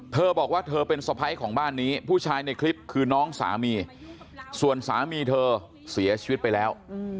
เธอบอกว่าเธอเป็นสะพ้ายของบ้านนี้ผู้ชายในคลิปคือน้องสามีส่วนสามีเธอเสียชีวิตไปแล้ว